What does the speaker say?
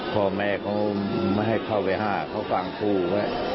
พ่อแม่เขาไม่ให้เข้าไปห้ามเขาฟังคู่ไว้